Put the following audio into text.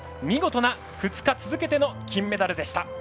見事な、２日続けての金メダルでした！